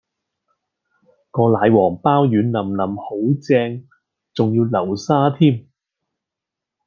個奶黃飽軟腍腍好正，仲要流沙添